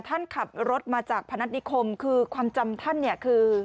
ท่านขับรถมาจากพนัฐนิคมคือความจำท่านเนี่ยคือ